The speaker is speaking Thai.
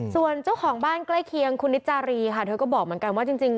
ส่วนเจ้าของบ้านใกล้เคียงคุณนิจารีค่ะเธอก็บอกเหมือนกันว่าจริง